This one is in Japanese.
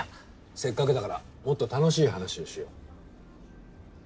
せっかくだからもっと楽しい話をしよう。